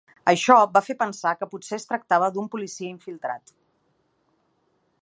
Això va fer pensar que potser es tractava d’un policia infiltrat.